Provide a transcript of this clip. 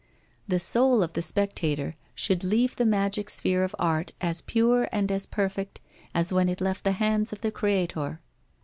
The soul of the spectator should leave the magic sphere of art as pure and as perfect as when it left the hands of the Creator.